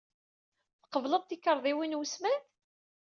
Tqebbled tikarḍiwin n wesmad?